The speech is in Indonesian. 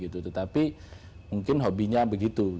tetapi mungkin hobinya begitu